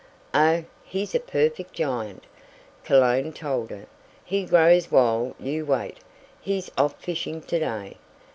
"Oh, he's a perfect giant," Cologne told her. "He grows while you wait. He's off fishing to day.